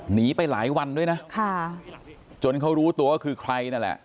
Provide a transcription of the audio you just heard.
หนีไปหลายวันด้วยนะค่ะจนเขารู้ตัวว่าคือใครนั่นแหละ